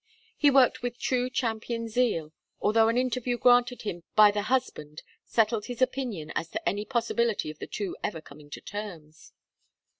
He worked with true champion zeal, although an interview granted him by the husband settled his opinion as to any possibility of the two ever coming to terms.